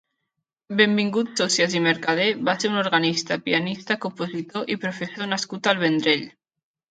Benvingut Socias i Mercadé va ser un organista, pianista, compositor i professor nascut al Vendrell.